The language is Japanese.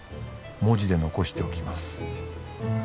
「文字で残しておきます」